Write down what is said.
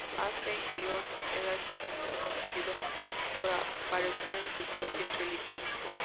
Alfred Hitchcock era especialmente conocido por aparecer en sus propias películas.